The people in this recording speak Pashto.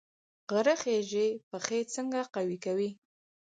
غره خیژي پښې څنګه قوي کوي؟